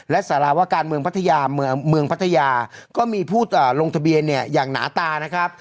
และสารวการเมืองพัทยาเมืองพัทยาก็มีผู้ลงทะเบียนเนี่ยอย่างหนาตานะครับ